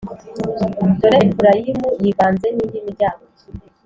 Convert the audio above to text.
Dore Efurayimu yivanze n’indi miryango,